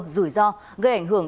rủi ro gây ảnh hưởng